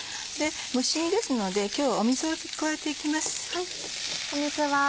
蒸し煮ですので今日は水を加えていきます。